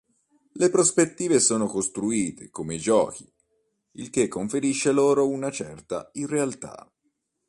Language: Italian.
Le prospettive sono costruite come i giochi, il che conferisce loro una certa irrealtà.